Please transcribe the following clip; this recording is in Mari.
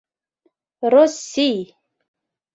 Россий...